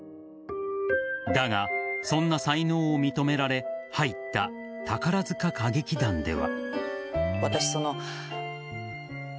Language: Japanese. だが、そんな才能を認められ入った宝塚歌劇団では。